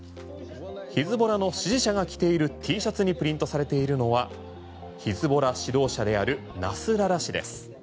ヒズボラの支持者が着ているＴシャツにプリントされているのはヒズボラ指導者であるナスララ師です。